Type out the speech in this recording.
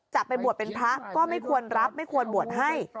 จะไปบวชเป็นพระก็ไม่ควรรับไม่ควรบวชให้